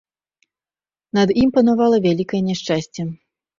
Над ім панавала вялікае няшчасце.